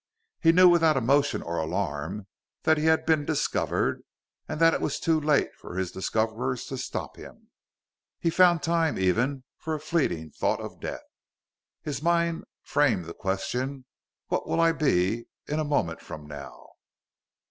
He knew, without emotion or alarm, that he had been discovered, and that it was too late for his discoverers to stop him. He found time, even, for a fleeting thought of death. His mind framed the question, "What will I be in a moment from now?"